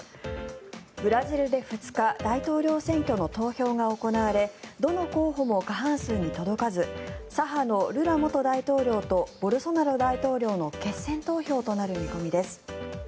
ブラジルで２日大統領選挙の投票が行われどの候補も過半数に届かず左派のルラ元大統領とボルソナロ大統領の決選投票となる見込みです。